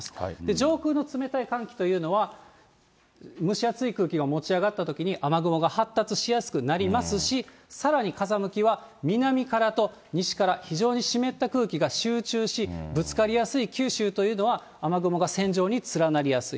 上空の冷たい寒気というのは、蒸し暑い空気が持ち上がったときに雨雲が発達しやすくなりますし、さらに風向きは南からと西から、非常に湿った空気が集中し、ぶつかりやすい九州というのは、雨雲が線状に連なりやすい。